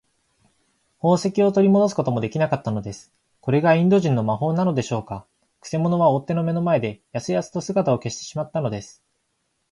宝石をとりもどすこともできなかったのです。これがインド人の魔法なのでしょうか。くせ者は追っ手の目の前で、やすやすと姿を消してしまったのです。